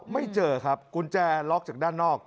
ไม่เจอครับกุญแจล็อกจากด้านนอก